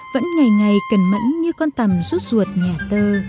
vẫn ngày ngày cần mẫn như con tầm suốt ruột nhà tơ